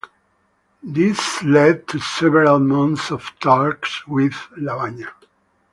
This led to several months of talks with Lavagna.